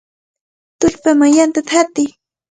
¡Tullpaman yantata hatiy!